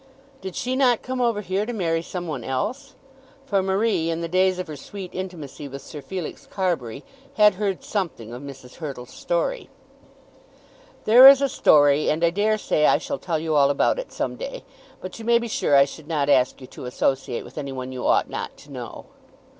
"Did she not come over here to marry some one else?" For Marie in the days of her sweet intimacy with Sir Felix Carbury had heard something of Mrs. Hurtle's story. "There is a story, and I dare say I shall tell you all about it some day. But you may be sure I should not ask you to associate with any one you ought not to know."